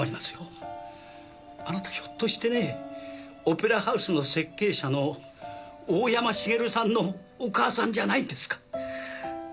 あなたひょっとしてねオペラハウスの設計者の大山茂さんのお母さんじゃないんですか？